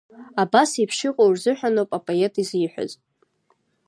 Абас еиԥш иҟоу рзыҳәаноуп апоет изиҳәаз…